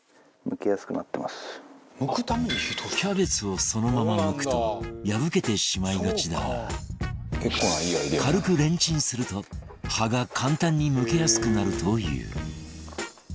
キャベツをそのまま剥くと破けてしまいがちだが軽くレンチンすると葉が簡単に剥けやすくなるという